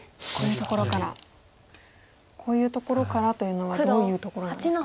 こういうところからというのはどういうところなんですか？